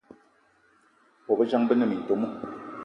Bôbejang be ne metom